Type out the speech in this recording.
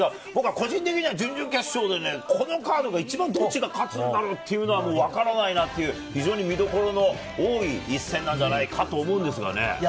個人的には準々決勝で、このカードが一番どっちが勝つんだろうというのがわからない、見どころの多い一戦なんじゃないかと思うんですがね。